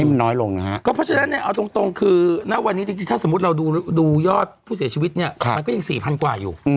เพราะฉะนั้นเอาตรงคือณวันนี้จริงถ้าสมมุติเราดูยอดผู้เสียชีวิตเนี่ย